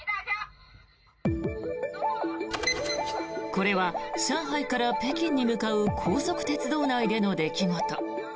これは上海から北京に向かう高速鉄道内での出来事。